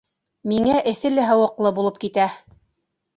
Миңә эҫеле-һыуыҡлы булып китә